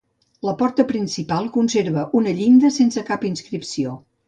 La porta principal conserva una llinda sense cap inscripció.